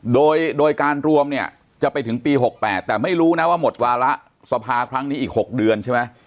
โดยการรวมเนี่ยจะไปถึงปี๖๘แต่ไม่รู้นะว่าหมดวาระสภาครั้งนี้อีก๖เดือนใช่ไหม